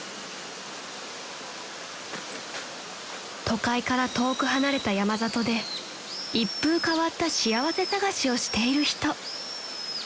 ［都会から遠く離れた山里で一風変わった幸せ探しをしている人］